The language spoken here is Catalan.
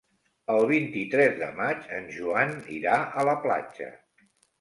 El vint-i-tres de maig en Joan irà a la platja.